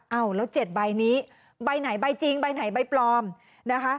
เอาแล้ว๗ใบนี้ใบไหนใบจริงใบไหนใบปลอมนะคะ